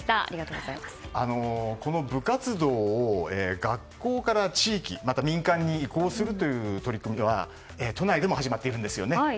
部活動を学校から地域または民間に移行する取り組みが都内でも始まっているんですね。